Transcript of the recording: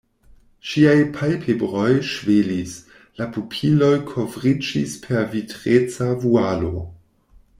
Ŝiaj palpebroj ŝvelis, la pupiloj kovriĝis per vitreca vualo.